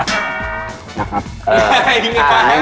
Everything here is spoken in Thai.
นะครับ